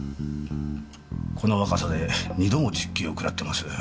この若さで２度も実刑をくらってます。